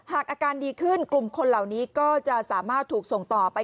อาการดีขึ้นกลุ่มคนเหล่านี้ก็จะสามารถถูกส่งต่อไป